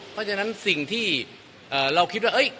เพราะฉะนั้นสิ่งที่เอ่อเราคิดว่าเอ้ย